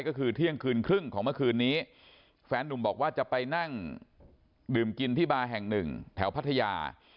ก็คือเที่ยงคืนครึ่งของเมื่อคืนนี้แฟนนุ่มบอกว่าจะไปนั่งดื่มกินที่บาร์แห่งหนึ่งแถวพัทยา